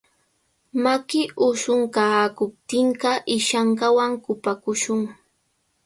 Maki ushunkaakuptinqa ishankawan kupakushun.